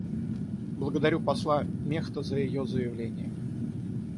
Благодарю посла Мехта за ее заявление.